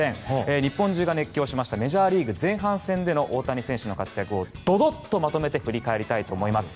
日本中が熱狂しましたメジャーリーグ前半戦での大谷選手の活躍をどどっとまとめて振り返りたいと思います。